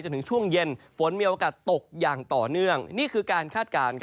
ต้นเท่าหน้าตอนนี้นี่คือการฆาตการ